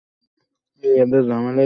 ওরা সত্যি ড্রেস বানিয়ে দেবে?